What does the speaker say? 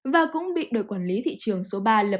và cũng bị đội quản lý thị trường số ba lập